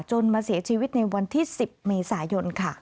มาเสียชีวิตในวันที่๑๐เมษายนค่ะ